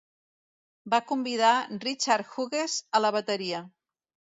Van convidar Richard Hughes a la bateria.